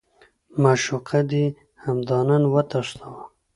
معشوقه دې همدا نن وتښتوه.